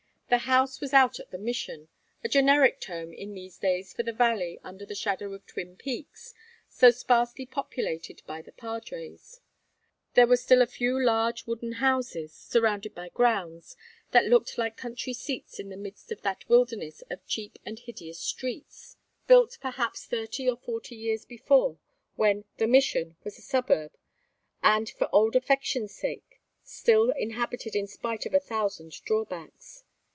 The house was out at The Mission, a generic term in these days for the valley under the shadow of Twin Peaks, so sparsely populated by the padres. There were still a few large wooden houses, surrounded by grounds, that looked like country seats in the midst of that wilderness of cheap and hideous streets; built perhaps thirty or forty years before, when "The Mission" was a suburb, and for old affection's sake still inhabited in spite of a thousand drawbacks.